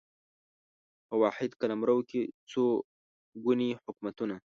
په واحد قلمرو کې څو ګوني حکومتونه